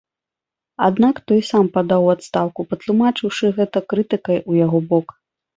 Аднак той сам падаў у адстаўку, патлумачыўшы гэта крытыкай у яго бок.